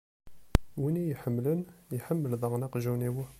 Win i y-iḥemmlen, iḥemmel daɣen aqjun-iw.